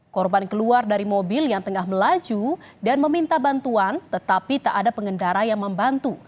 korban keluar dari mobil yang tengah melaju dan meminta bantuan tetapi tak ada pengendara yang membantu